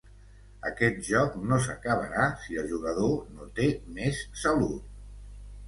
Aquest joc no acabarà si el jugador no té més salut.